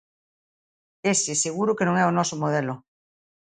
Ese seguro que non é o noso modelo.